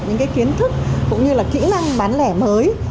những kiến thức cũng như là kĩ năng bán lẻ mới